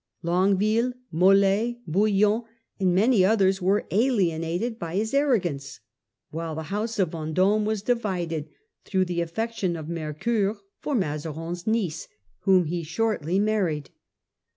Longucville, Mold, Bouillon, and many others, were alienated by his arro gance, while the house of Vendome was divided through the affection of Mercoeur for Mazarin's niece, whom he shortly married.